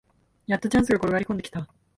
やっとチャンスが転がりこんできた